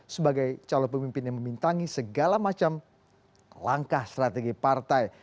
sebagai calon pemimpin yang membintangi segala macam langkah strategi partai